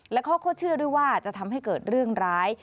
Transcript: และเขาก็เชื่อด้วยว่าจะทำให้เกิดเรื่องร้าย